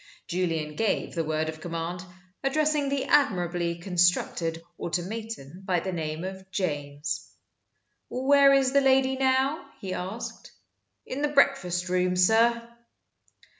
Julian gave the word of command, addressing the admirably constructed automaton by the name of "James." "Where is the lady now?" he asked. "In the breakfast room, sir."